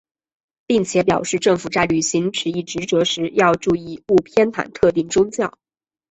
并且表示政府在履行此一职责时要注意勿偏袒特定宗教。